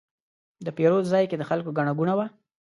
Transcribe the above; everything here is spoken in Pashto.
د پیرود ځای کې د خلکو ګڼه ګوڼه وه.